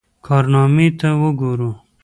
کارنامې ته وګورو.